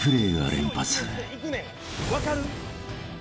分かる？